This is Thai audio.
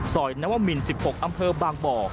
นวมิน๑๖อำเภอบางบ่อ